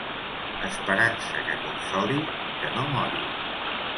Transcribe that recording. Esperança que consoli, que no mori.